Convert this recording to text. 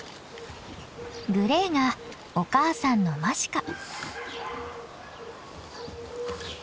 グレーがお母さんのマシカ。